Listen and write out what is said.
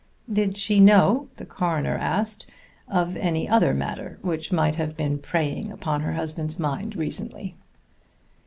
Did she know, the coroner asked, of any other matter which might have been preying upon her husband's mind recently?